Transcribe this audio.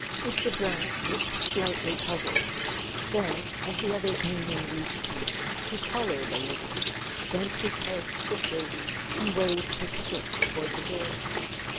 Mr. Brant looked slightly puzzled; then, as the other's meaning reached him, he coloured a little, bent his head stiffly, and waved his stick toward the door.